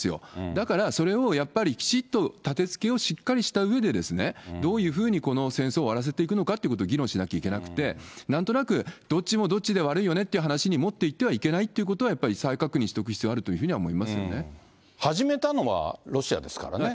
だから、それをやっぱり、きちっとたてつけをしっかりしたうえで、どういうふうにこの戦争を終わらせていくのかということを議論しなきゃいけなくて、なんとなく、どっちもどっちで悪いよねって話にもっていってはいけないっていうことは、再確認しておく必要が始めたのはロシアですからね。